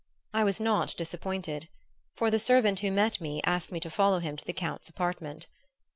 I was not disappointed; for the servant who met me asked me to follow him to the Count's apartment.